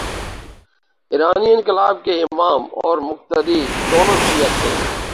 ایرانی انقلاب کے امام اور مقتدی، دونوں شیعہ تھے۔